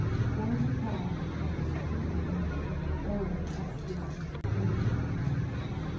, Down the tide of the sweet night (O the ecstasy's gentle rise